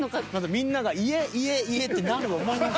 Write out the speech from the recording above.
みんなが「家」「家」「家」ってなる思います？